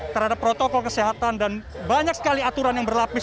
terhadap protokol kesehatan dan banyak sekali aturan yang berlapis